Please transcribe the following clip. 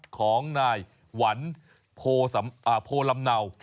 ของนายหวันโพลำเนา